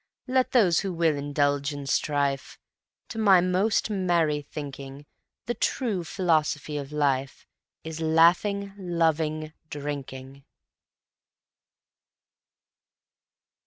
Let those who will indulge in strife, To my most merry thinking, The true philosophy of life Is laughing, loving, drinking.